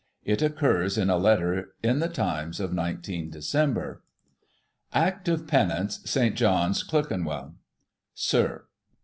It occurs in a letter in the Times of 19 Dec. : "Act of Penance, St. John's, Clerkenwell. " Sir.